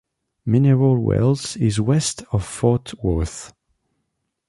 Mineral Wells is west of Fort Worth.